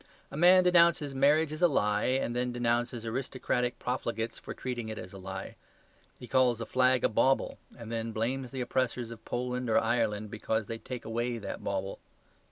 A man denounces marriage as a lie, and then denounces aristocratic profligates for treating it as a lie. He calls a flag a bauble, and then blames the oppressors of Poland or Ireland because they take away that bauble.